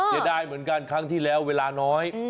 เสียดายเหมือนกันครั้งที่แล้วเวลาน้อย